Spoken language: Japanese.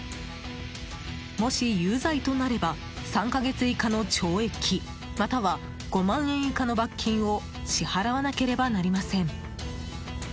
もし有罪となれば３か月以下の懲役または、５万円以下の罰金を支払わなければなりません。